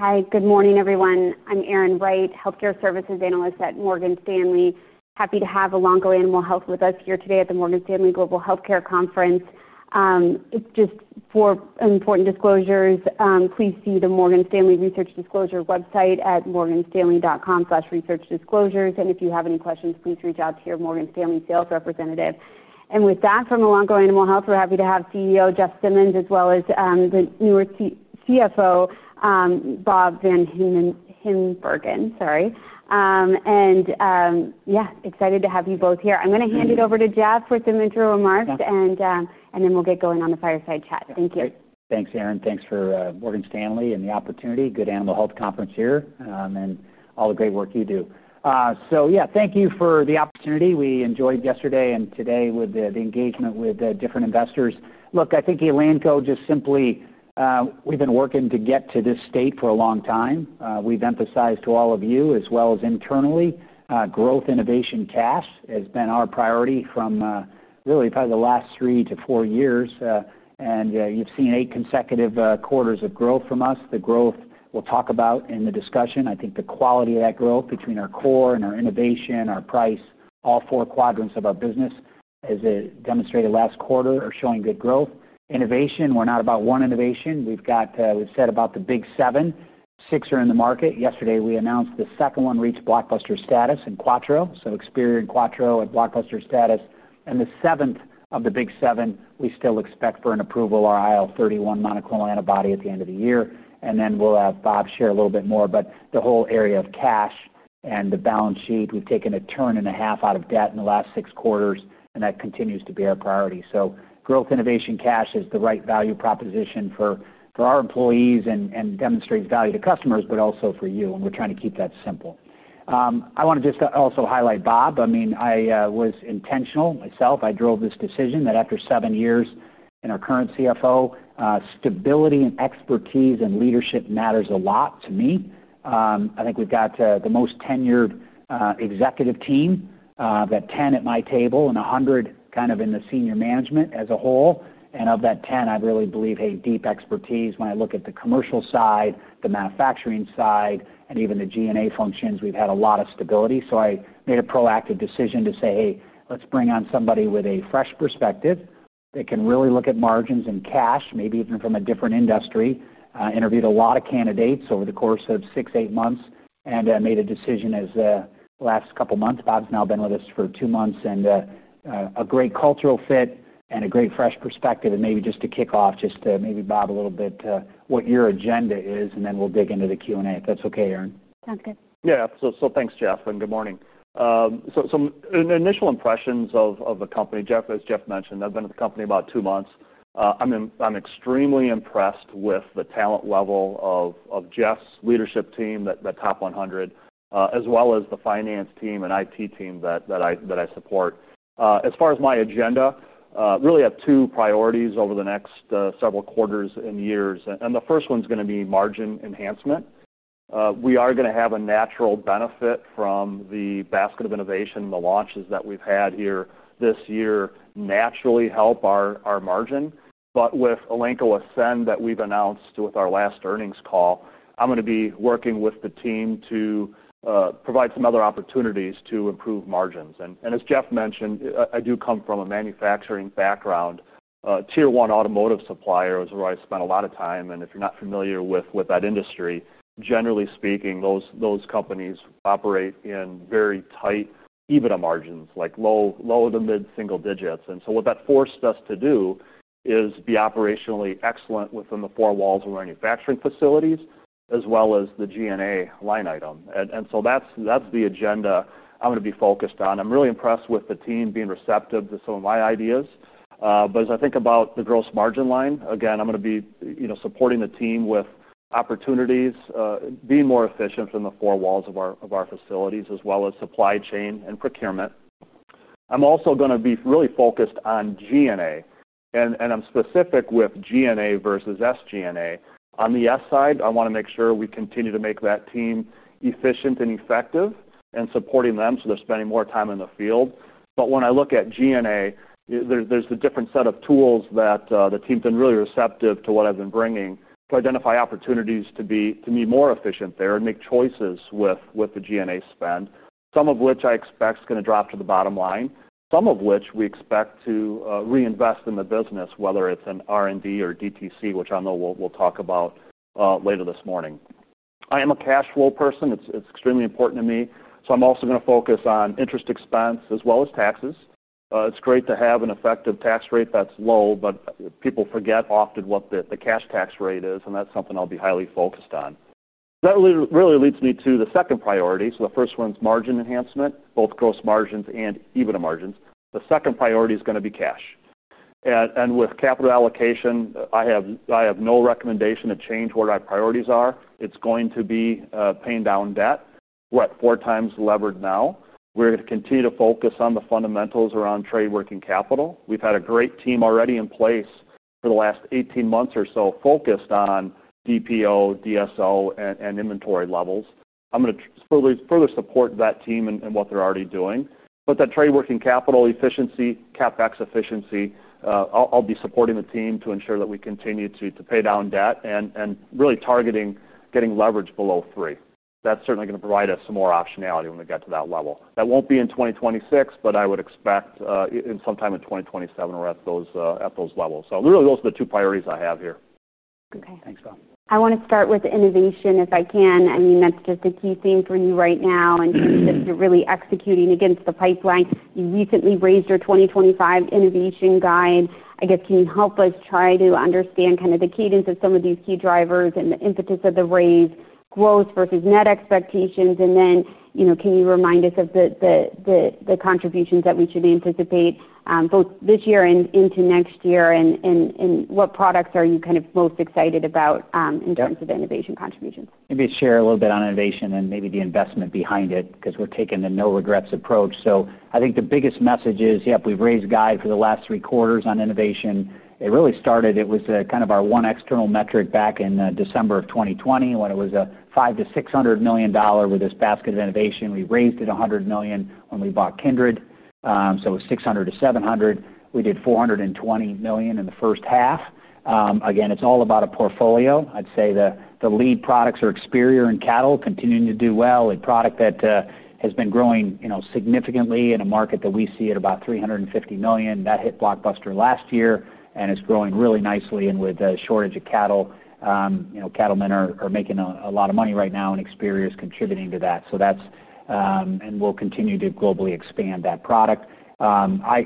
Hi, good morning everyone. I'm Erin Wright, Healthcare Services Analyst at Morgan Stanley. Happy to have Elanco Animal Health with us here today at the Morgan Stanley Global Healthcare Conference. For important disclosures, please see the Morgan Stanley Research Disclosure website at morganstanley.com/researchdisclosures. If you have any questions, please reach out to your Morgan Stanley sales representative. With that, from Elanco Animal Health, we're happy to have CEO Jeff Simmons, as well as the newer CFO, Bob VanHimbergen. Excited to have you both here. I'm going to hand it over to Jeff for some intro remarks, and then we'll get going on the fireside chat. Thank you. Thanks, Erin. Thanks for Morgan Stanley and the opportunity. Good animal health conference here, and all the great work you do. Yeah, thank you for the opportunity. We enjoyed yesterday and today with the engagement with the different investors. Look, I think Elanco just simply, we've been working to get to this state for a long time. We've emphasized to all of you, as well as internally, growth innovation cash has been our priority from really probably the last three to four years. You've seen eight consecutive quarters of growth from us. The growth we'll talk about in the discussion, I think the quality of that growth between our core and our innovation, our price, all four quadrants of our business, as it demonstrated last quarter, are showing good growth. Innovation, we're not about one innovation. We've got, we've said about the big seven. Six are in the market. Yesterday we announced the second one reached blockbuster status in Quattro. So Experior and Quattro at blockbuster status. The seventh of the big seven, we still expect for an approval, our IL-31 monoclonal antibody at the end of the year. We'll have Bob share a little bit more. The whole area of cash and the balance sheet, we've taken a turn and a half out of debt in the last six quarters, and that continues to be our priority. Growth innovation cash is the right value proposition for our employees and demonstrates value to customers, but also for you. We're trying to keep that simple. I want to just also highlight Bob. I was intentional myself. I drove this decision that after seven years in our current CFO, stability and expertise and leadership matters a lot to me. I think we've got the most tenured executive team. I've got 10 at my table and 100 kind of in the senior management as a whole. Of that 10, I really believe, hey, deep expertise. When I look at the commercial side, the manufacturing side, and even the G&A functions, we've had a lot of stability. I made a proactive decision to say, hey, let's bring on somebody with a fresh perspective that can really look at margins and cash, maybe even from a different industry. I interviewed a lot of candidates over the course of six, eight months, and I made a decision as the last couple of months. Bob's now been with us for two months and a great cultural fit and a great fresh perspective. Maybe just to kick off, just maybe Bob a little bit what your agenda is, and then we'll dig into the Q&A if that's okay, Erin. Sounds good. Yeah, absolutely. Thanks, Jeff, and good morning. Some initial impressions of the company, Jeff, as Jeff mentioned, I've been at the company about two months. I'm extremely impressed with the talent level of Jeff's leadership team, that top 100, as well as the finance team and IT team that I support. As far as my agenda, really I have two priorities over the next several quarters and years. The first one's going to be margin enhancement. We are going to have a natural benefit from the basket of innovation, the launches that we've had here this year naturally help our margin. With Elanco Ascend that we've announced with our last earnings call, I'm going to be working with the team to provide some other opportunities to improve margins. As Jeff mentioned, I do come from a manufacturing background. Tier 1 automotive suppliers is where I spent a lot of time. If you're not familiar with that industry, generally speaking, those companies operate in very tight EBITDA margins, like low- to mid-single digits. What that forced us to do is be operationally excellent within the four walls of manufacturing facilities, as well as the G&A line item. That's the agenda I'm going to be focused on. I'm really impressed with the team being receptive to some of my ideas. As I think about the gross margin line, again, I'm going to be supporting the team with opportunities, being more efficient from the four walls of our facilities, as well as supply chain and procurement. I'm also going to be really focused on G&A. I'm specific with G&A versus SG&A. On the S side, I want to make sure we continue to make that team efficient and effective and supporting them so they're spending more time in the field. When I look at G&A, there's a different set of tools that the team's been really receptive to what I've been bringing to identify opportunities to be more efficient there and make choices with the G&A spend, some of which I expect is going to drop to the bottom line, some of which we expect to reinvest in the business, whether it's in R&D or DTC, which I know we'll talk about later this morning. I am a cash flow person. It's extremely important to me. I'm also going to focus on interest expense as well as taxes. It's great to have an effective tax rate that's low, but people forget often what the cash tax rate is, and that's something I'll be highly focused on. That really leads me to the second priority. The first one's margin enhancement, both gross margins and EBITDA margins. The second priority is going to be cash. With capital allocation, I have no recommendation to change what our priorities are. It's going to be paying down debt, what, four times the levered now. We're going to continue to focus on the fundamentals around trade working capital. We've had a great team already in place for the last 18 months or so focused on DPO, DSO, and inventory levels. I'm going to further support that team and what they're already doing. That trade working capital efficiency, CapEx efficiency, I'll be supporting the team to ensure that we continue to pay down debt and really targeting getting leverage below three. That's certainly going to provide us some more optionality when we get to that level. That won't be in 2026, but I would expect in sometime in 2027 we're at those levels. Those are the two priorities I have here. Okay. Thanks, Bob. I want to start with innovation if I can. I mean, that's just a key thing for you right now in terms of you're really executing against the pipeline. You recently raised your 2025 innovation guide. Can you help us try to understand kind of the cadence of some of these key drivers and the impetus of the raise, growth versus net expectations? Can you remind us of the contributions that we should anticipate both this year and into next year? What products are you kind of most excited about in terms of the innovation contributions? Maybe share a little bit on innovation and maybe the investment behind it because we're taking the no regrets approach. I think the biggest message is, yep, we've raised guide for the last three quarters on innovation. It really started, it was kind of our one external metric back in December of 2020 when it was a $500 million-$600 million with this basket of innovation. We raised it $100 million when we bought Kindred. It was $600 million-$700 million. We did $420 million in the first half. Again, it's all about a portfolio. I'd say the lead products are Experior in cattle, continuing to do well. A product that has been growing significantly in a market that we see at about $350 million. That hit blockbuster last year and it's growing really nicely with a shortage of cattle. Cattlemen are making a lot of money right now and Experior is contributing to that. We'll continue to globally expand that product. As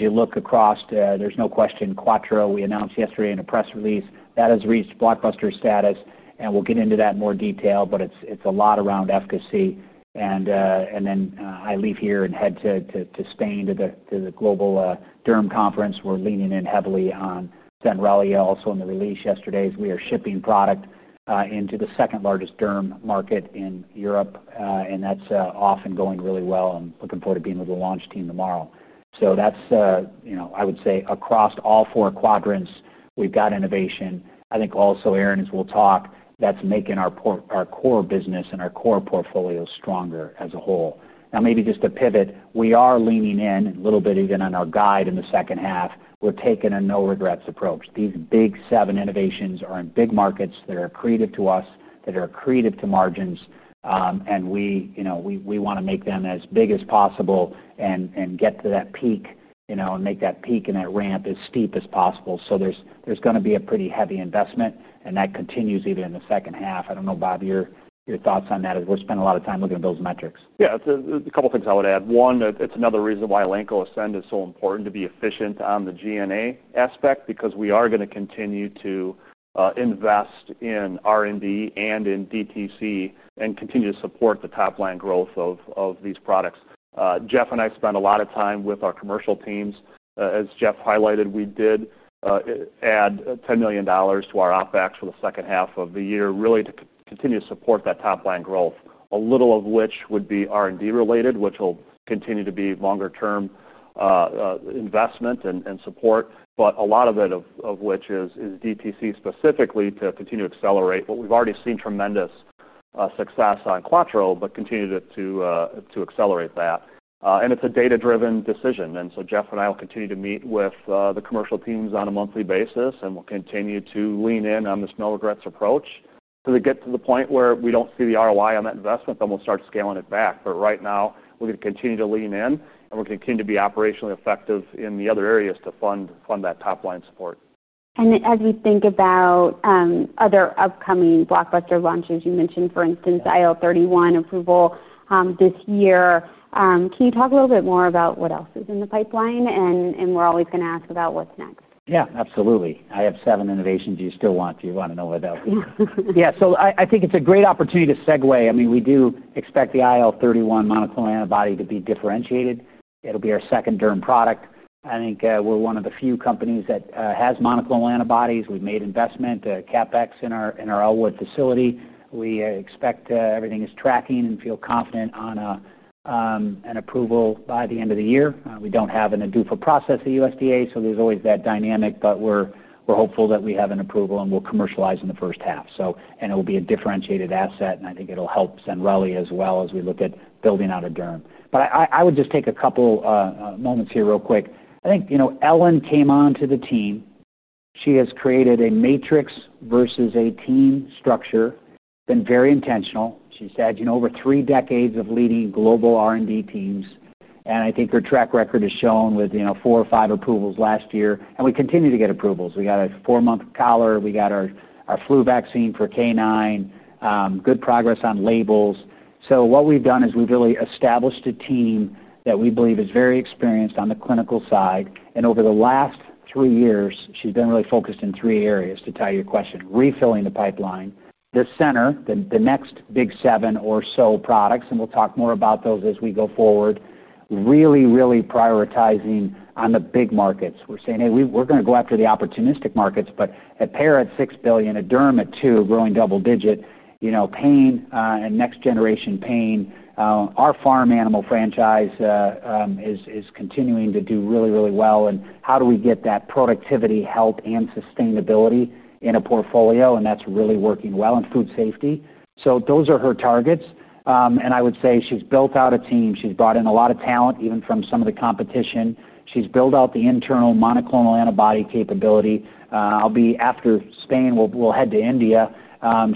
you look across, there's no question Quattro, we announced yesterday in a press release, that has reached blockbuster status. We'll get into that in more detail, but it's a lot around efficacy. I leave here and head to Spain to the Global Derm Conference. We're leaning in heavily on Zenrelia also in the release yesterday as we are shipping product into the second largest derm market in Europe. That's off and going really well. I'm looking forward to being with the launch team tomorrow. I would say across all four quadrants, we've got innovation. I think also, Erin, as we'll talk, that's making our core business and our core portfolio stronger as a whole. Maybe just to pivot, we are leaning in a little bit even on our guide in the second half. We're taking a no regrets approach. These big seven innovations are in big markets that are accretive to us, that are accretive to margins. We want to make them as big as possible and get to that peak, and make that peak and that ramp as steep as possible. There's going to be a pretty heavy investment and that continues even in the second half. I don't know, Bob, your thoughts on that as we're spending a lot of time looking at those metrics. Yeah, a couple of things I would add. One, it's another reason why Elanco Ascend is so important to be efficient on the G&A aspect because we are going to continue to invest in R&D and in DTC and continue to support the top-line growth of these products. Jeff and I spent a lot of time with our commercial teams. As Jeff highlighted, we did add $10 million to our OpEx for the second half of the year, really to continue to support that top-line growth. A little of which would be R&D-related, which will continue to be longer-term investment and support. A lot of it is DTC specifically to continue to accelerate what we've already seen tremendous success on Quattro, but continue to accelerate that. It's a data-driven decision. Jeff and I will continue to meet with the commercial teams on a monthly basis and we'll continue to lean in on this no regrets approach. If it gets to the point where we don't see the ROI on that investment, then we'll start scaling it back. Right now, we're going to continue to lean in and we'll continue to be operationally effective in the other areas to fund that top-line support. As we think about other upcoming blockbuster launches, you mentioned, for instance, the IL-31 approval this year. Can you talk a little bit more about what else is in the pipeline? We're always going to ask about what's next. Yeah, absolutely. I have seven innovations you still want. Do you want to know what else? Yeah, I think it's a great opportunity to segue. I mean, we do expect the IL-31 monoclonal antibody to be differentiated. It'll be our second dermatology product. I think we're one of the few companies that has monoclonal antibodies. We've made investment CapEx in our Elwood facility. We expect everything is tracking and feel confident on an approval by the end of the year. We don't have an ADUFA process at USDA, so there's always that dynamic, but we're hopeful that we have an approval and we'll commercialize in the first half. It will be a differentiated asset, and I think it'll help Zenrelia as well as we look at building out a dermatology portfolio. I would just take a couple moments here real quick. I think, you know, Ellen came onto the team. She has created a matrix versus a team structure. Been very intentional. She's had, you know, over three decades of leading global R&D teams. I think her track record has shown with, you know, four or five approvals last year. We continue to get approvals. We got a four-month collar. We got our flu vaccine for canine. Good progress on labels. What we've done is we've really established a team that we believe is very experienced on the clinical side. Over the last three years, she's been really focused in three areas, to tie your question, refilling the pipeline, the center, the next big seven or so products, and we'll talk more about those as we go forward. Really, really prioritizing on the big markets. We're saying, "Hey, we're going to go after the opportunistic markets, but at para at $6 billion, derma at $2 billion, growing double-digit, you know, pain and next generation pain." Our farm animal franchise is continuing to do really, really well. How do we get that productivity, health, and sustainability in a portfolio? That's really working well in food safety. Those are her targets. I would say she's built out a team. She's brought in a lot of talent, even from some of the competition. She's built out the internal monoclonal antibody capability. I'll be after Spain, we'll head to India.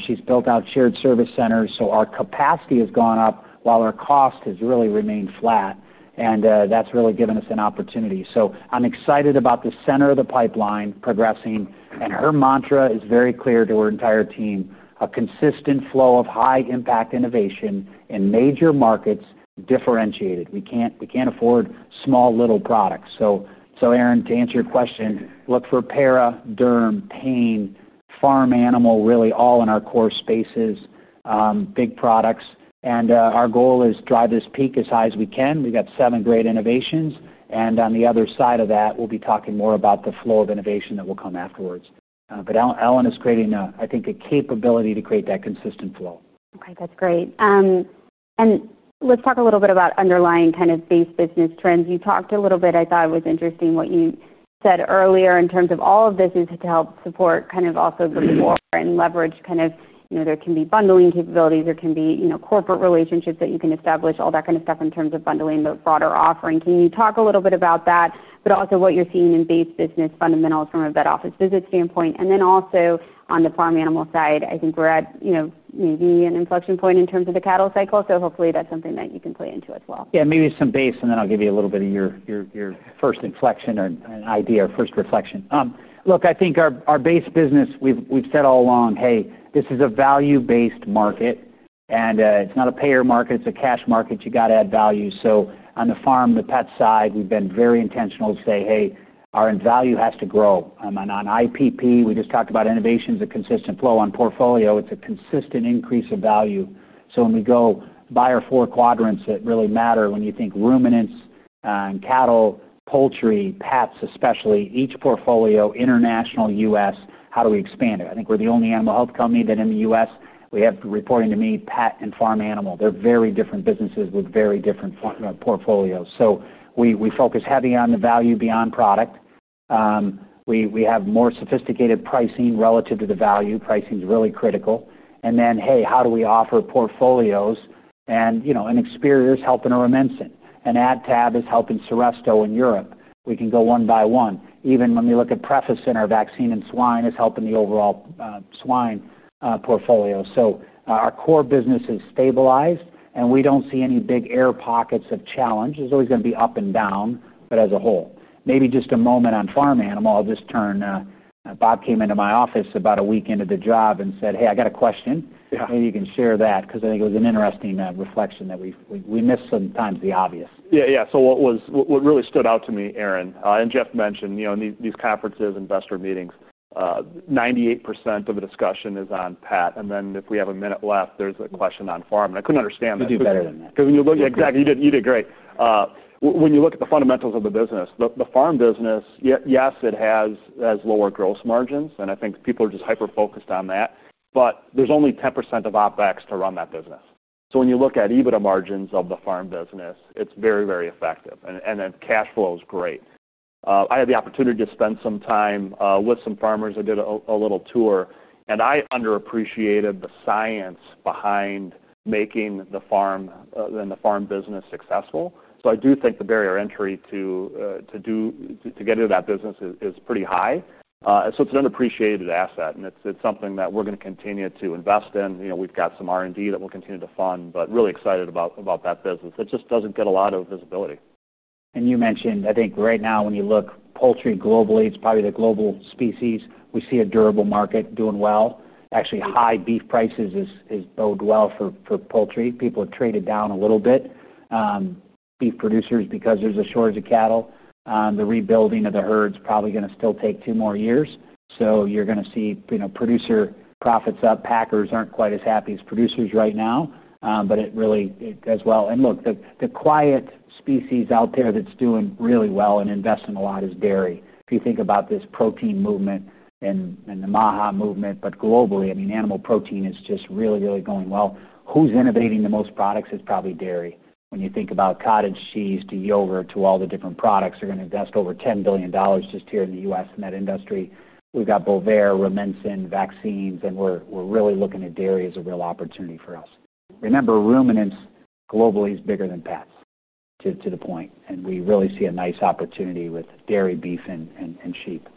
She's built out shared service centers. Our capacity has gone up while our cost has really remained flat. That's really given us an opportunity. I'm excited about the center of the pipeline progressing. Her mantra is very clear to her entire team, a consistent flow of high-impact innovation in major markets, differentiated. We can't afford small little products. Erin, to answer your question, look for para, derm, pain, farm animal, really all in our core spaces, big products. Our goal is to drive this peak as high as we can. We've got seven great innovations. On the other side of that, we'll be talking more about the flow of innovation that will come afterwards. Ellen is creating, I think, a capability to create that consistent flow. Okay, that's great. Let's talk a little bit about underlying kind of base business trends. You talked a little bit, I thought it was interesting what you said earlier in terms of all of this is to help support kind of also the lower end leverage, kind of, you know, there can be bundling capabilities. There can be, you know, corporate relationships that you can establish, all that kind of stuff in terms of bundling the broader offering. Can you talk a little bit about that, but also what you're seeing in base business fundamentals from a vet office visit standpoint? Also, on the farm animal side, I think we're at, you know, maybe an inflection point in terms of the cattle cycle. Hopefully that's something that you can play into as well. Yeah, maybe some base, and then I'll give you a little bit of your first inflection or an idea or first reflection. Look, I think our base business, we've said all along, hey, this is a value-based market. It's not a payer market. It's a cash market. You got to add value. On the farm, the pet side, we've been very intentional to say, hey, our value has to grow. On IPP, we just talked about innovations, a consistent flow on portfolio. It's a consistent increase of value. When we go by our four quadrants that really matter when you think ruminants, cattle, poultry, pets especially, each portfolio, international, U.S., how do we expand it? I think we're the only animal health company that in the U.S., we have reporting to me, pet and farm animal. They're very different businesses with very different portfolios. We focus heavy on the value beyond product. We have more sophisticated pricing relative to the value. Pricing is really critical. How do we offer portfolios? Experior is helping Rumensin. AdTab is helping Seresto in Europe. We can go one by one. Even when we look at process in our vaccine and swine, it's helping the overall swine portfolio. Our core business is stabilized. We don't see any big air pockets of challenge. It's always going to be up and down, but as a whole. Maybe just a moment on farm animal. I'll just turn. Bob came into my office about a week into the job and said, "Hey, I got a question." Maybe you can share that because I think it was an interesting reflection that we missed sometimes the obvious. Yeah, yeah. What really stood out to me, Erin, and Jeff mentioned, you know, these conferences, investor meetings, 98% of the discussion is on pet. If we have a minute left, there's a question on farm. I couldn't understand that. You do better than that. Because when you look at exactly, you did great. When you look at the fundamentals of the business, the farm business, yes, it has lower gross margins. I think people are just hyper-focused on that. There's only 10% of OpEx to run that business. When you look at EBITDA margins of the farm business, it's very, very effective. Cash flow is great. I had the opportunity to spend some time with some farmers. I did a little tour. I underappreciated the science behind making the farm and the farm business successful. I do think the barrier to entry to get into that business is pretty high. It's an underappreciated asset. It's something that we're going to continue to invest in. We've got some R&D that we'll continue to fund, but really excited about that business. It just doesn't get a lot of visibility. You mentioned, I think right now when you look at poultry globally, it's probably the global species. We see a durable market doing well. Actually, high beef prices bode well for poultry. People have traded down a little bit. Beef producers, because there's a shortage of cattle, the rebuilding of the herds is probably going to still take two more years. You're going to see producer profits up. Packers aren't quite as happy as producers right now. It really does well. The quiet species out there that's doing really well and investing a lot is dairy. If you think about this protein movement and the MAHA movement, globally, animal protein is just really, really going well. Who's innovating the most products? It's probably dairy. When you think about cottage cheese to yogurt to all the different products, they're going to invest over $10 billion just here in the U.S. in that industry. We've got Bovaer, Rumensin, vaccines, and we're really looking at dairy as a real opportunity for us. Remember, ruminants globally is bigger than pets, to the point. We really see a nice opportunity with dairy, beef, and sheep.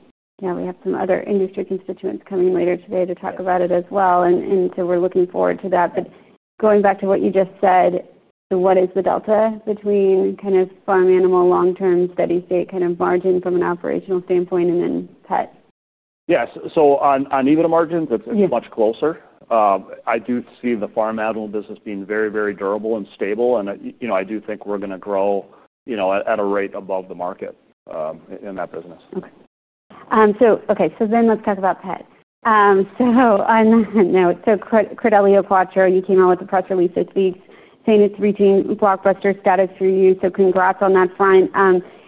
We have some other industry constituents coming in later today to talk about it as well. We're looking forward to that. Going back to what you just said, what is the delta between kind of farm animal, long-term steady state kind of margin from an operational standpoint and then pet? Yeah, so on EBITDA margins, it's much closer. I do see the farm animal business being very, very durable and stable. I do think we're going to grow at a rate above the market in that business. Okay, so let's talk about pets. On that note, Credelio Quattro, and you came out with a press release this week saying it's reaching blockbuster status for you. So congrats on that front.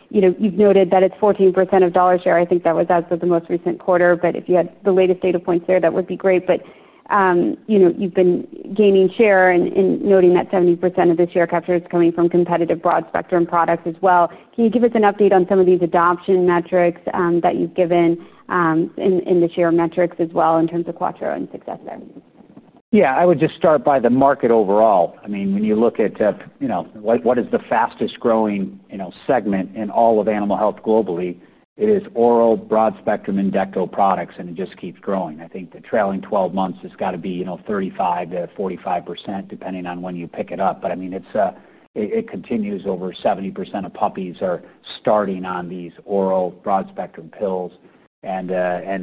You've noted that it's 14% of dollar share. I think that was as of the most recent quarter. If you had the latest data points there, that would be great. You've been gaining share and noting that 70% of the share capture is coming from competitive broad spectrum products as well. Can you give us an update on some of these adoption metrics that you've given in the share metrics as well in terms of Quattro and success there? Yeah, I would just start by the market overall. I mean, when you look at, you know, what is the fastest growing, you know, segment in all of animal health globally, it is oral-broad spectrum endecto products, and it just keeps growing. I think the trailing 12 months has got to be, you know, 35%-45% depending on when you pick it up. I mean, it continues. Over 70% of puppies are starting on these oral broad spectrum pills, and they're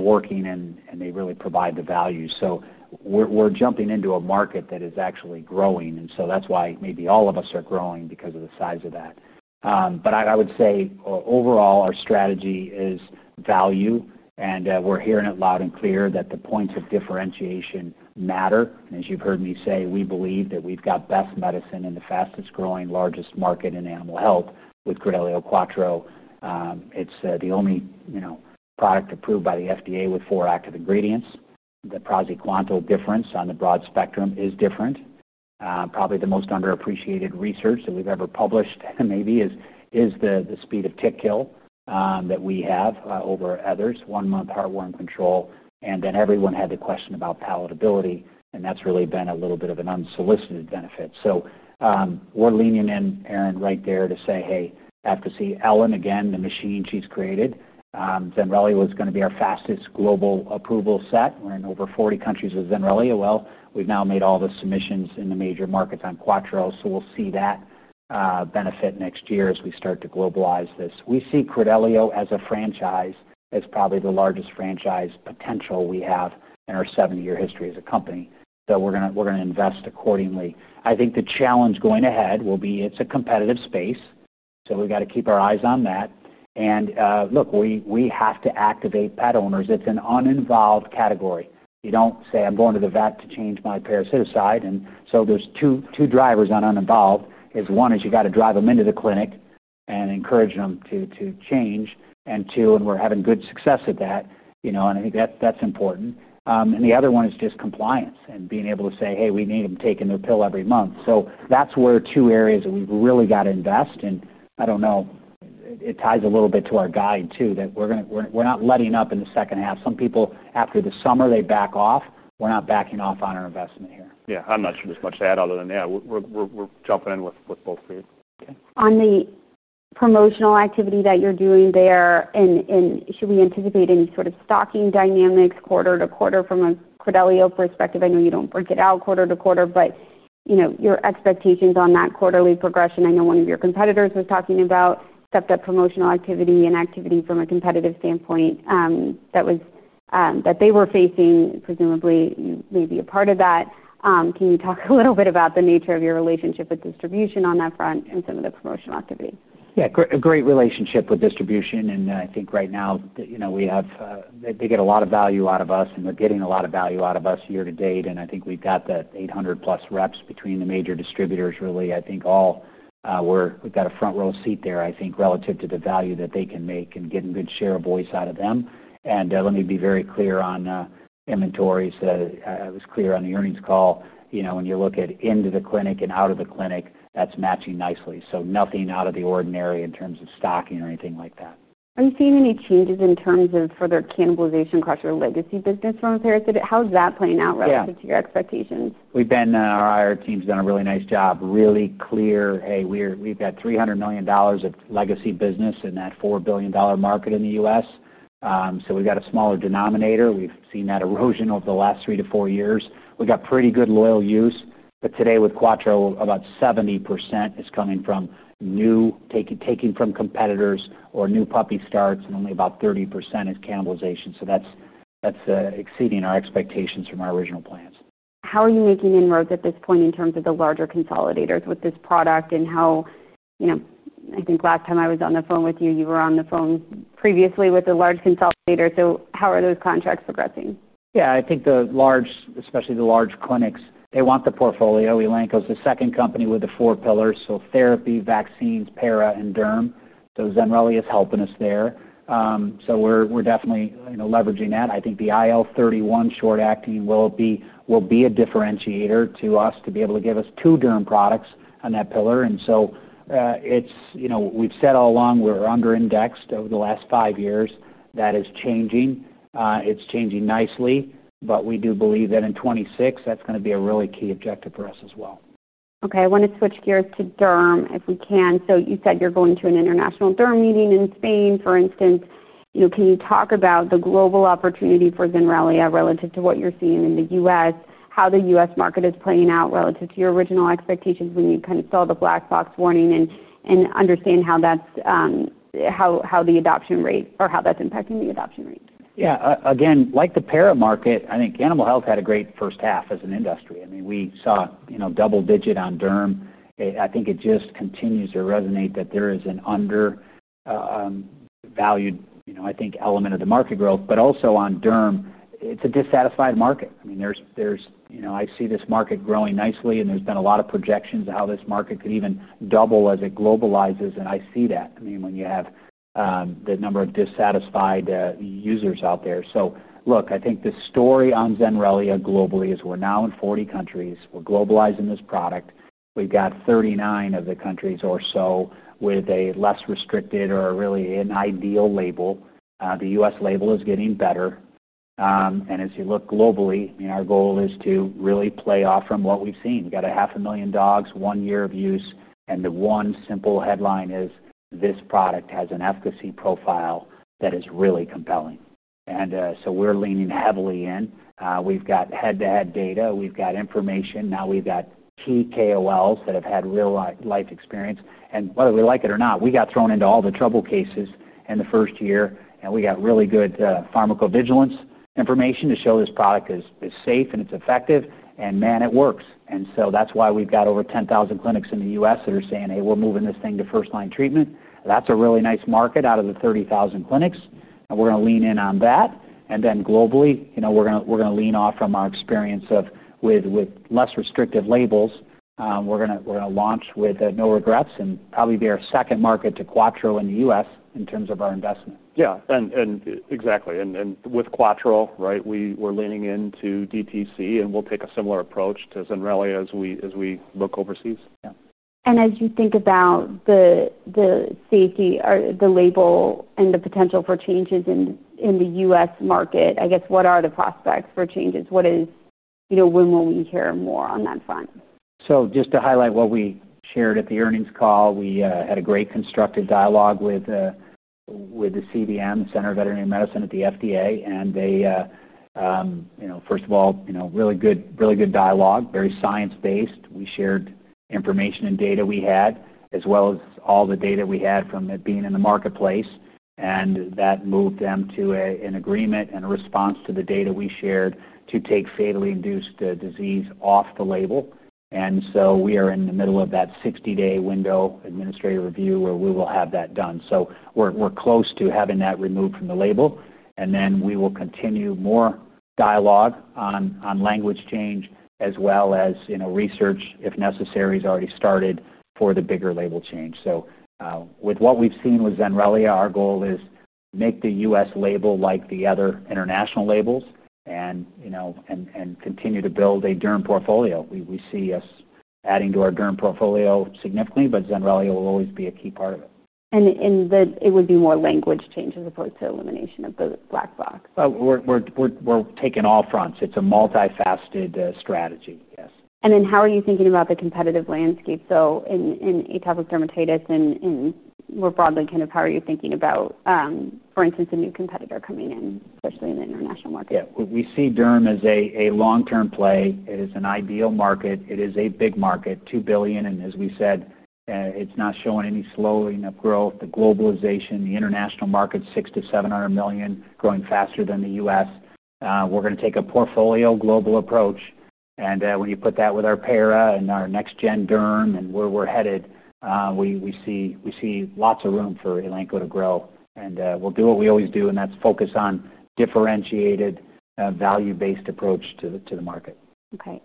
working and they really provide the value. We're jumping into a market that is actually growing. That's why maybe all of us are growing because of the size of that. I would say overall our strategy is value, and we're hearing it loud and clear that the points of differentiation matter. As you've heard me say, we believe that we've got best medicine in the fastest growing largest market in animal health with Credelio Quattro. It's the only product approved by the FDA with four active ingredients. The praziquantel difference on the broad spectrum is different. Probably the most underappreciated research that we've ever published maybe is the speed of tick kill that we have over others, one-month heartworm control. Everyone had the question about palatability, and that's really been a little bit of an unsolicited benefit. We're leaning in, Erin, right there to say, hey, advocacy. Ellen, again, the machine she's created. Zenrelia was going to be our fastest global approval set. We're in over 40 countries with Zenrelia. We've now made all the submissions in the major markets on Quattro. We'll see that benefit next year as we start to globalize this. We see Credelio as a franchise. It's probably the largest franchise potential we have in our seven-year history as a company, so we're going to invest accordingly. I think the challenge going ahead will be it's a competitive space, so we've got to keep our eyes on that. Look, we have to activate pet owners. It's an uninvolved category. You don't say, "I'm going to the vet to change my parasiticide." There are two drivers on uninvolved. One is you got to drive them into the clinic and encourage them to change, and we're having good success at that. I think that's important. The other one is just compliance and being able to say, "Hey, we need them taking their pill every month." That's where two areas that we've really got to invest. I don't know, it ties a little bit to our guide too that we're not letting up in the second half. Some people, after the summer, they back off. We're not backing off on our investment here. I'm not sure there's much to add other than we're jumping in with both feet. On the promotional activity that you're doing there, should we anticipate any sort of stocking dynamics quarter-to-quarter from a Credelio perspective? I know you don't break it out quarter-to-quarter, but you know your expectations on that quarterly progression. I know one of your competitors was talking about stepped up promotional activity and activity from a competitive standpoint. They were facing presumably maybe a part of that. Can you talk a little bit about the nature of your relationship with distribution on that front and some of the promotional activity? Yeah, a great relationship with distribution. I think right now, you know, they get a lot of value out of us, and they're getting a lot of value out of us year-to-date. I think we've got the 800+ reps between the major distributors, really, I think all. We've got a front row seat there, relative to the value that they can make and getting good share of voice out of them. Let me be very clear on inventories. I was clear on the earnings call. You know, when you look at into the clinic and out of the clinic, that's matching nicely. Nothing out of the ordinary in terms of stocking or anything like that. Are you seeing any changes in terms of further cannibalization across your legacy business from a parasitic? How is that playing out relative to your expectations? Our IR team's done a really nice job. Really clear, hey, we've got $300 million of legacy business in that $4 billion market in the U.S., so we've got a smaller denominator. We've seen that erosion over the last three to four years. We've got pretty good loyal use. Today with Quattro, about 70% is coming from new, taking from competitors or new puppy starts, and only about 30% is cannibalization. That's exceeding our expectations from our original plans. How are you making inroads at this point in terms of the larger consolidators with this product? I think last time I was on the phone with you, you were on the phone previously with a large consolidator. How are those contracts progressing? Yeah, I think the large, especially the large clinics, they want the portfolio. Elanco is the second company with the four pillars: so therapy, vaccines, para, and derm. Zenrelia is helping us there. We're definitely, you know, leveraging that. I think the IL-31 short-acting will be a differentiator to us to be able to give us two derm products on that pillar. We've said all along we're under-indexed over the last five years. That is changing. It's changing nicely, but we do believe that in 2026, that's going to be a really key objective for us as well. Okay, I want to switch gears to Zenrelia if we can. You said you're going to an International Derm Meeting in Spain, for instance. Can you talk about the global opportunity for Zenrelia relative to what you're seeing in the U.S., how the U.S. market is playing out relative to your original expectations when you kind of saw the black box warning and understand how that's impacting the adoption rate? Yeah, again, like the para market, I think animal health had a great first half as an industry. I mean, we saw, you know, double-digit on derm. I think it just continues to resonate that there is an undervalued, you know, I think, element of the market growth. Also on derm, it's a dissatisfied market. I mean, there's, you know, I see this market growing nicely, and there's been a lot of projections of how this market could even double as it globalizes. I see that. I mean, when you have the number of dissatisfied users out there. Look, I think the story on Zenrelia globally is we're now in 40 countries. We're globalizing this product. We've got 39 of the countries or so with a less restricted or really an ideal label. The U.S. label is getting better. As you look globally, our goal is to really play off from what we've seen. We've got a 500 million dogs, one year of use, and the one simple headline is this product has an efficacy profile that is really compelling. We're leaning heavily in. We've got head-to-head data. We've got information. Now we've got key KOLs that have had real-life experience. Whether we like it or not, we got thrown into all the trouble cases in the first year, and we got really good pharmacovigilance information to show this product is safe and it's effective. It works. That's why we've got over 10,000 clinics in the U.S. that are saying, "Hey, we're moving this thing to first-line treatment." That's a really nice market out of the 30,000 clinics. We're going to lean in on that. Globally, we're going to lean off from our experience with less restrictive labels. We're going to launch with no regrets and probably be our second market to Quattro in the U.S. in terms of our investment. Yeah, exactly. With Quattro, right, we're leaning into DTC, and we'll take a similar approach to Zenrelia as we look overseas. Yeah. As you think about the safety or the label and the potential for changes in the U.S. market, what are the prospects for changes? What is, you know, when will we hear more on that front? To highlight what we shared at the earnings call, we had a great constructive dialogue with the CVM, the Center for Veterinary Medicine at the FDA. They, you know, first of all, really good, really good dialogue, very science-based. We shared information and data we had, as well as all the data we had from it being in the marketplace. That moved them to an agreement and a response to the data we shared to take fatally induced disease off the label. We are in the middle of that 60-day window administrative review where we will have that done. We're close to having that removed from the label. We will continue more dialogue on language change, as well as, you know, research, if necessary, has already started for the bigger label change. With what we've seen with Zenrelia, our goal is to make the U.S. label like the other international labels and, you know, continue to build a derm portfolio. We see us adding to our derm portfolio significantly, but Zenrelia will always be a key part of it. It would be more language change as opposed to elimination of the black box? We're taking all fronts. It's a multifaceted strategy, yes. How are you thinking about the competitive landscape? In atopic dermatitis, and more broadly, how are you thinking about, for instance, a new competitor coming in, especially in the international market? Yeah, we see derm as a long-term play. It is an ideal market. It is a big market, $2 billion. As we said, it's not showing any slowing of growth, the globalization, the international market, $600 million-$700 million growing faster than the U.S. We're going to take a portfolio global approach. When you put that with our para and our next-gen derm and where we're headed, we see lots of room for Elanco to grow. We'll do what we always do, and that's focus on a differentiated value-based approach to the market. Okay.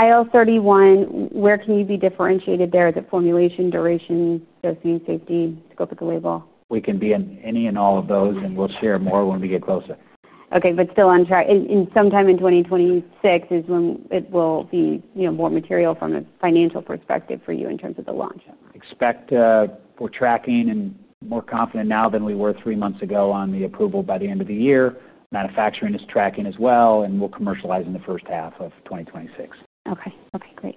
IL-31, where can you be differentiated there? Is it formulation, duration, dosing, safety, scope of the label? We can be in any and all of those, and we'll share more when we get closer. Okay, still on track. Sometime in 2026 is when it will be, you know, more material from a financial perspective for you in terms of the launch. Expect we're tracking and more confident now than we were three months ago on the approval by the end of the year. Manufacturing is tracking as well, and we'll commercialize in the first half of 2026. Okay, great.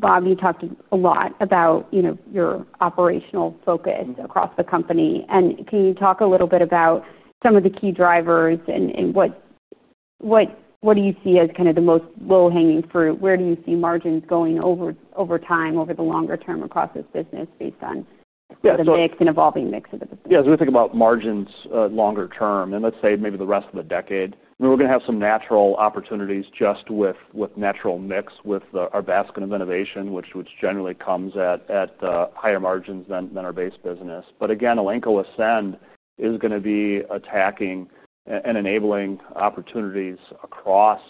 Bob, you talked a lot about your operational focus across the company. Can you talk a little bit about some of the key drivers and what you see as kind of the most low-hanging fruit? Where do you see margins going over time, over the longer term across this business based on the mix and evolving mix of the business? Yeah, as we think about margins longer term and let's say maybe the rest of the decade, we're going to have some natural opportunities just with natural mix with our basket of innovation, which generally comes at the higher margins than our base business. Elanco Ascend is going to be attacking and enabling opportunities across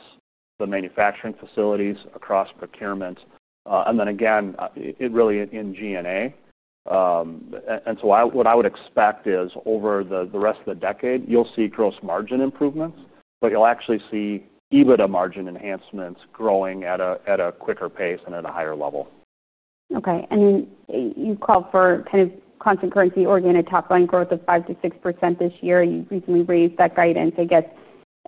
the manufacturing facilities, across procurement. It really is in G&A. What I would expect is over the rest of the decade, you'll see gross margin improvements, but you'll actually see EBITDA margin enhancements growing at a quicker pace and at a higher level. Okay. You call for kind of concurrency-oriented top-line growth of 5%-6% this year. You recently raised that guidance. I guess,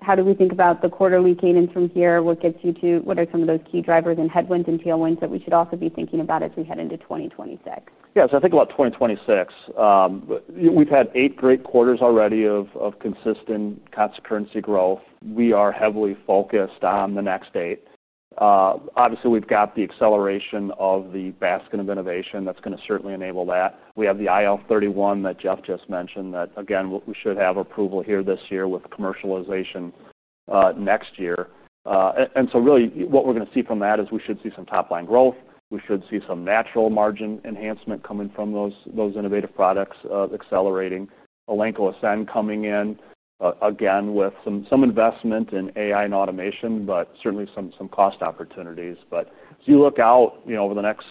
how do we think about the quarterly cadence from here? What gets you to what are some of those key drivers and headwinds and tailwinds that we should also be thinking about as we head into 2026? Yeah, so I think about 2026. We've had eight great quarters already of consistent concurrency growth. We are heavily focused on the next eight. Obviously, we've got the acceleration of the basket of innovation that's going to certainly enable that. We have the IL-31 that Jeff just mentioned that, again, we should have approval here this year with commercialization next year. Really what we're going to see from that is we should see some top-line growth. We should see some natural margin enhancement coming from those innovative products, accelerating. Elanco Ascend coming in, again with some investment in AI and automation, but certainly some cost opportunities. As you look out over the next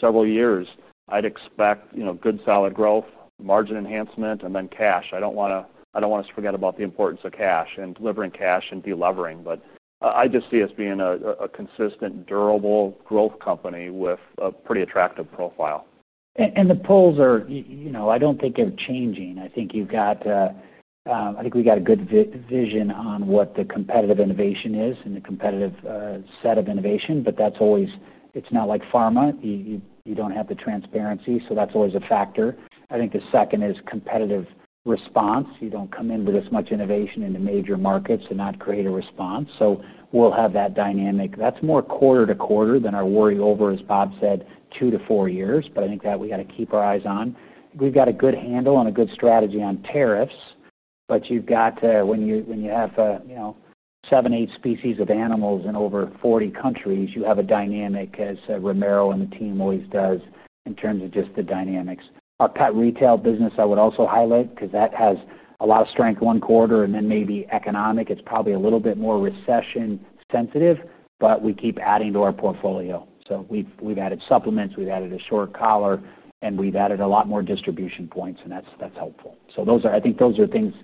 several years, I'd expect good solid growth, margin enhancement, and then cash. I don't want us to forget about the importance of cash and delivering cash and delivering. I just see us being a consistent, durable growth company with a pretty attractive profile. The polls are, you know, I don't think they're changing. I think you've got, I think we've got a good vision on what the competitive innovation is and the competitive set of innovation. That's always, it's not like pharma. You don't have the transparency. That's always a factor. I think the second is competitive response. You don't come in with as much innovation in the major markets and not create a response. We'll have that dynamic. That's more quarter-to-quarter than our worry over, as Bob said, two to four years. I think that we got to keep our eyes on. We've got a good handle on a good strategy on tariffs. You've got to, when you have a, you know, seven, eight species of animals in over 40 countries, you have a dynamic, as Romero and the team always does, in terms of just the dynamics. Our cut retail business, I would also highlight because that has a lot of strength one quarter and then maybe economic. It's probably a little bit more recession sensitive, but we keep adding to our portfolio. We've added supplements, we've added a short collar, and we've added a lot more distribution points, and that's helpful. Those are, I think those are things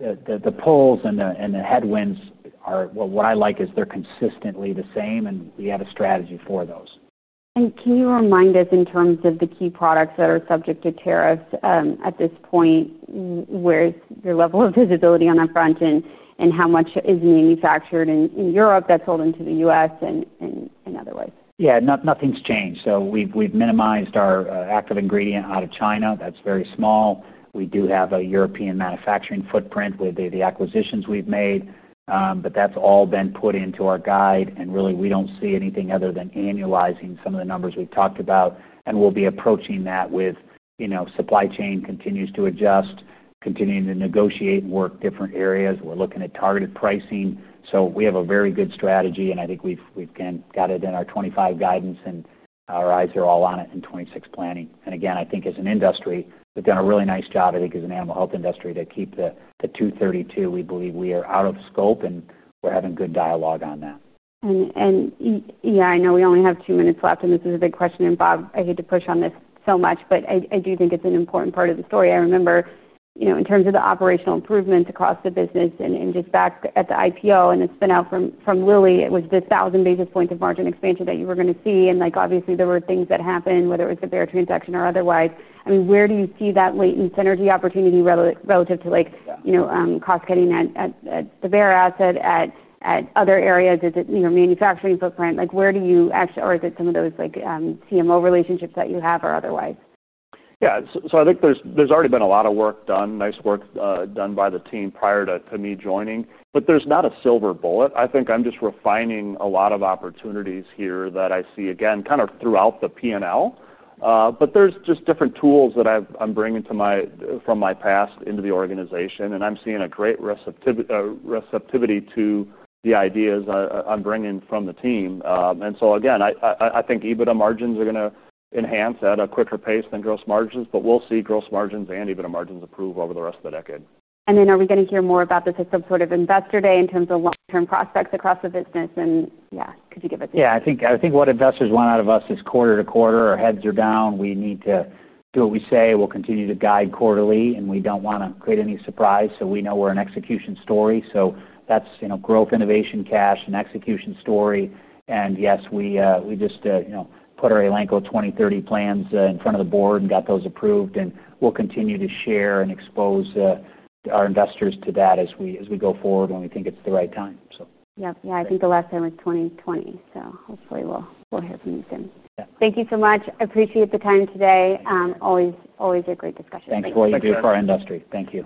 that the polls and the headwinds are. What I like is they're consistently the same and we have a strategy for those. Can you remind us in terms of the key products that are subject to tariffs at this point? Where is your level of visibility on that front, and how much is manufactured in Europe that's sold into the U.S. and other ways? Yeah, nothing's changed. We've minimized our active ingredient out of China. That's very small. We do have a European manufacturing footprint with the acquisitions we've made. That's all been put into our guide. We don't see anything other than annualizing some of the numbers we've talked about. We'll be approaching that with supply chain continues to adjust, continuing to negotiate and work different areas. We're looking at targeted pricing. We have a very good strategy. I think we've got it in our 2025 guidance and our eyes are all on it in 2026 planning. I think as an industry, we've done a really nice job, I think as an animal health industry, to keep the 232. We believe we are out of scope and we're having good dialogue on that. I know we only have two minutes left and this is a big question. Bob, I hate to push on this so much, but I do think it's an important part of the story. I remember, in terms of the operational improvements across the business and just back at the IPO and the spin out from Lilly, it was the 1,000 basis points of margin expansion that you were going to see. Obviously, there were things that happened, whether it was the Bayer transaction or otherwise. Where do you see that latent synergy opportunity relative to, you know, cost cutting at the Bayer asset, at other areas? Is it, you know, manufacturing footprint? Where do you actually, or is it some of those CMO relationships that you have or otherwise? Yeah, I think there's already been a lot of work done, nice work done by the team prior to me joining. There's not a silver bullet. I'm just refining a lot of opportunities here that I see, again, kind of throughout the P&L. There are just different tools that I'm bringing from my past into the organization. I'm seeing a great receptivity to the ideas I'm bringing from the team. I think EBITDA margins are going to enhance at a quicker pace than gross margins. We'll see gross margins and EBITDA margins improve over the rest of the decade. Are we going to hear more about the fifth of sort of investor day in terms of long-term prospects across the business? Could you give us? I think what investors want out of us is quarter-to-quarter. Our heads are down. We need to do what we say. We'll continue to guide quarterly. We don't want to create any surprise. We know we're an execution story. That's growth, innovation, cash, an execution story. Yes, we just put our Elanco 2030 plans in front of the board and got those approved. We'll continue to share and expose our investors to that as we go forward when we think it's the right time. Yeah, I think the last time was 2020. Hopefully we'll hear from you soon. Thank you so much. I appreciate the time today. Always a great discussion. Thanks for what you do for our industry. Thank you.